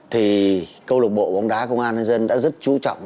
thì câu lạc bộ bóng đá công an nhân dân đã rất chú trọng